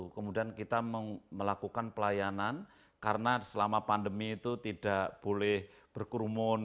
kemudian kita melakukan pelayanan karena selama pandemi itu tidak boleh berkerumun